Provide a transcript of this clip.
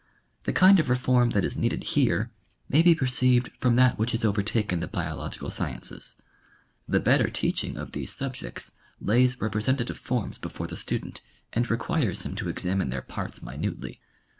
The kind of reform that is needed here may be per 22 National Geographic Magazine. ceived from that which has overtaken the biological sciences. The better teaching of these subjects lays representative forms before the student and requires him to examine their parts minutely.